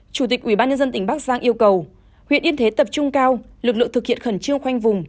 chủ tịch ubnd tỉnh bắc giang yêu cầu huyện yên thế tập trung cao lực lượng thực hiện khẩn trương khoanh vùng